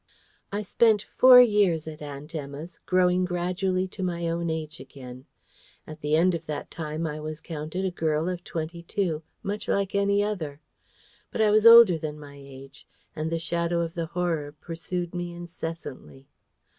I spent four years at Aunt Emma's, growing gradually to my own age again. At the end of that time I was counted a girl of twenty two, much like any other. But I was older than my age; and the shadow of the Horror pursued me incessantly.